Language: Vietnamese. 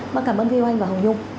mời cảm ơn viu anh và hồng dung